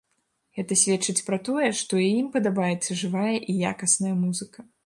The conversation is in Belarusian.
Гэта сведчыць пра тое, што і ім падабаецца жывая і якасная музыка.